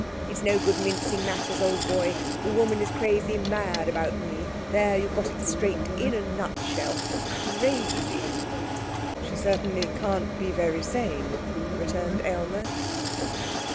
It's no good mincing matters, old boy, the woman is crazy mad about me there you've got it straight in a nutshell. Crazy!' 'She certainly can't be very sane,' returned Aylmer.